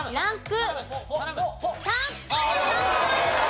ランク１。